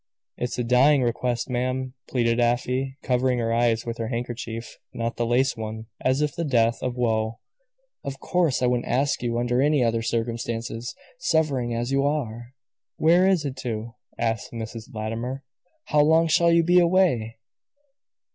"It's a dying request, ma'am," pleaded Afy, covering her eyes with her handkerchief not the lace one as if in the depth of woe. "Of course I wouldn't ask you under any other circumstances, suffering as you are!" "Where is it to!" asked Mrs. Latimer. "How long shall you be away?"